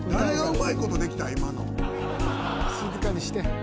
静かにして。